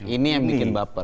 ini yang bikin baper